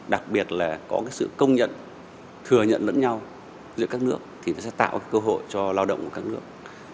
đặc biệt là có cái sự công nhận thừa nhận lẫn nhau giữa các nước thì nó sẽ tạo cơ hội cho lao động của các nước